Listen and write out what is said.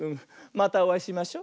またおあいしましょ。